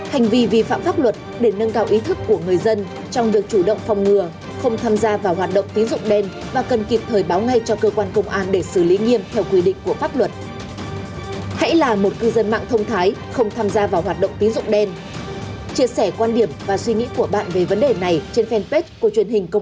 hãy là một cư dân mạng thông thái không tham gia vào hoạt động tín dụng đen và cần kịp thời báo ngay cho cơ quan công an để xử lý nghiêm theo quy định của pháp luật